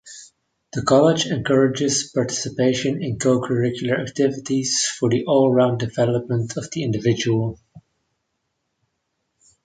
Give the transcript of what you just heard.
The college encourages participation in co-curricular activities for the all-round development of the individual.